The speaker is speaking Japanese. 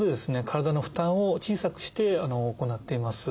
体の負担を小さくして行っています。